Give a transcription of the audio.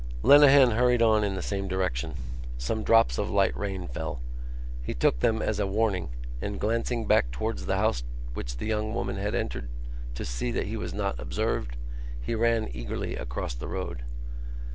Lenehan hurried on in the same direction. Some drops of light rain fell. He took them as a warning and, glancing back towards the house which the young woman had entered to see that he was not observed, he ran eagerly across the road.